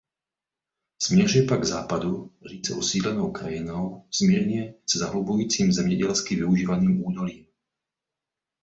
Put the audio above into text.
Směřuje pak k západu řídce osídlenou krajinou s mírně se zahlubujícím zemědělsky využívaným údolím.